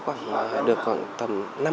và thanh toán pos đem đến thanh toán tại nhà